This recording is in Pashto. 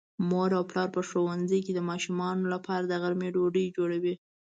مور او پلار په ښوونځي کې د ماشوم لپاره د غرمې ډوډۍ جوړوي.